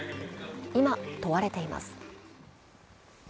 今問われています。